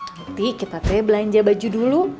nanti kita teh belanja baju dulu